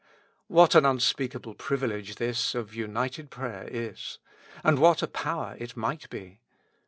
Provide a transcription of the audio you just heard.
What an unspeakable privilege this of united prayer is, and what a power it might be.